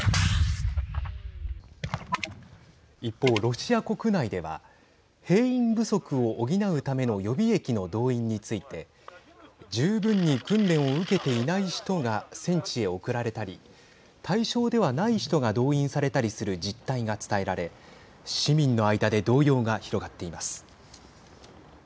一方、ロシア国内では兵員不足を補うための予備役の動員について十分に訓練を受けていない人が戦地へ送られたり対象ではない人が動員されたりする実態が伝えられ市民の間で動揺が広がっています。